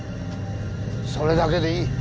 それだけでいい。